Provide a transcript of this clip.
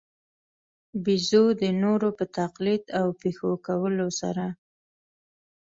بېزو د نورو په تقلید او پېښو کولو سره.